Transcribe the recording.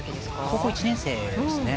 高校１年生ですね。